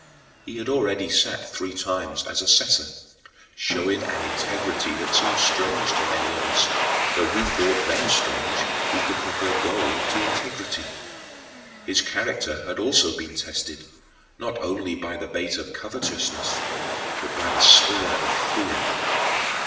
He had already sat three times as assessor, showing an integrity that seemed strange to many others, though he thought them strange who could prefer gold to integrity. His character had also been tested, not only by the bait of covetousness, but by the spur of fear.